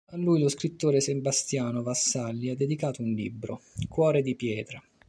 A lui lo scrittore Sebastiano Vassalli ha dedicato un libro, "Cuore di pietra".